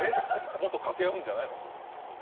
もっと掛け合うんじゃないの？